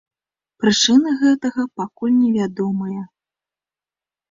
Прычыны гэтага пакуль невядомыя.